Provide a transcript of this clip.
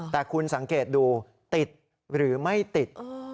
แต่คุณสังเกตดูติดหรือไม่ติด